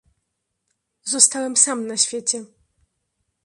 "Zostałem sam na świecie."